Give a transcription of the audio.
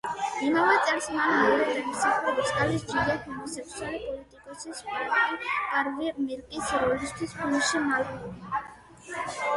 იმავე წელს მან მეორედ დაიმსახურა ოსკარის ჯილდო ჰომოსექსუალი პოლიტიკოსის, ჰარვი მილკის როლისთვის ფილმში „მილკი“.